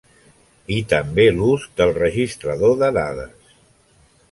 I també l'ús del Registrador de dades.